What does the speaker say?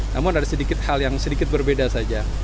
namun ada sedikit hal yang sedikit berbeda saja